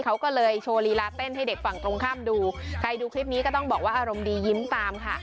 เขาก็เลยโชว์ลีลาเต้นให้เด็กฝั่งตรงข้ามดูใครดูคลิปนี้ก็ต้องบอกว่าอารมณ์ดียิ้มตามค่ะ